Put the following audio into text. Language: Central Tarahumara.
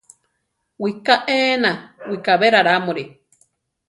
Wiká éena, wikábe rarámuri.